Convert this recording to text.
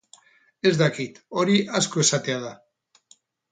Ez dakit, hori asko esatea da.